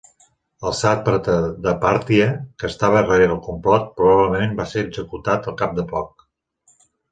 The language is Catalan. El sàtrapa de Pàrtia que estava rere el complot, probablement va ser executat al cap de poc.